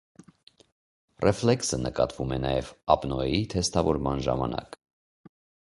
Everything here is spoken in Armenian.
Ռեֆլեքսը նկատվում է նաև ապնոեի թեսթավորման ժամանակ։